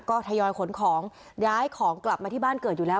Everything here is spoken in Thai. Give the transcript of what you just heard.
ก็ทยอยขนของย้ายของกลับมาที่บ้านเกิดอยู่แล้ว